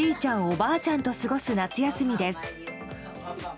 おばあちゃんと過ごす夏休みです。